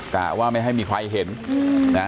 กะว่าไม่ให้มีใครเห็นนะ